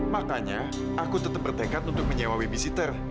makanya aku tetap bertekad untuk menyewa babysitter